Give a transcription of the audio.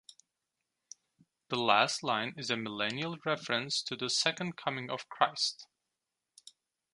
The last line is a millennial reference to the second coming of Christ.